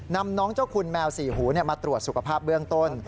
นำน้องเจ้าคุณแมวสี่หูมาตรวจสุขภาพเบื้องต้น